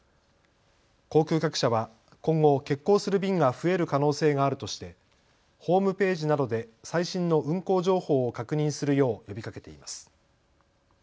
航空各社は今後、欠航する便が増える可能性があるとしてホームページなどで最新の運航情報を確認するよう呼びかけています。